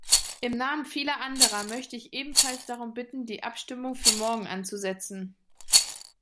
Im Namen vieler anderer möchte ich ebenfalls darum bitten, die Abstimmung für morgen anzusetzen.